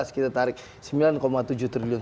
dua ribu tujuh belas kita tarik sembilan tujuh triliun